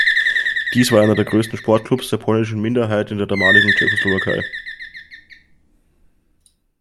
Dies war einer der größten Sportklubs der polnischen Minderheit in der damaligen Tschechoslowakei.